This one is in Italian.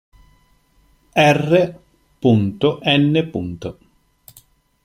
R. n.